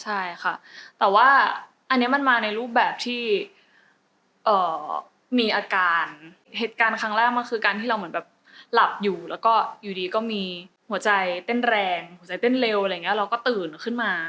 ใช่ค่ะแต่ว่าอันนี้มันมาในรูปแบบที่มีอาการเหตุการณ์ครั้งแรกมันคือการที่เราเหมือนแบบหลับอยู่แล้วก็อยู่ดีก็มีหัวใจเต้นแรงหัวใจเต้นเร็วอะไรอย่างนี้เราก็ตื่นขึ้นมา